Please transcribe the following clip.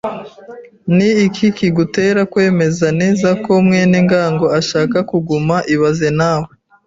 Ni iki kigutera kwemeza neza ko mwene ngango ashaka kuguma ibaze nawe